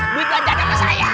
duit belanjaan sama saya